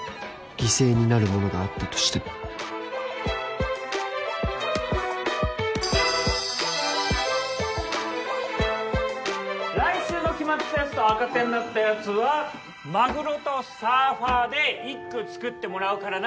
犠牲になるものがあったとしても来週の期末テスト赤点だったヤツはマグロとサーファーで一句作ってもらうからな。